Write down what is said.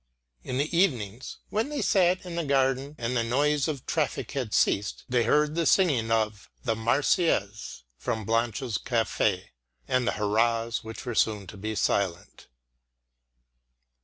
In the evenings when they sat in the garden and the noise of traffic had ceased, they heard the singing of the Marseillaise from Blanch's café, and the hurrahs which were soon to be silent.